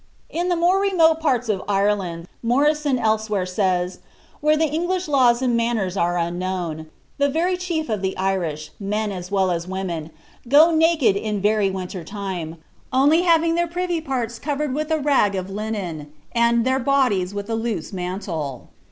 "In the more remote parts of Ireland," Moryson elsewhere says, where the English laws and manners are unknown, "the very chief of the Irish, men as well as women, go naked in very winter time, only having their privy parts covered with a rag of linen, and their bodies with a loose mantle.